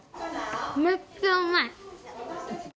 めっちゃうまい！